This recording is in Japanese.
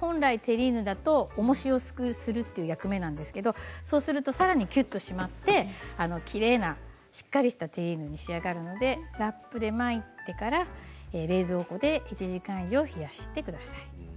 本来、テリーヌだとおもしをするという役目なんですけれどもそうするとかなりきゅっと締まってきれいな、しっかりしたテリーヌに仕上がるのでラップで巻いてから冷蔵庫で１時間以上冷やしてください。